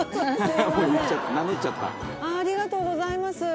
ありがとうございます。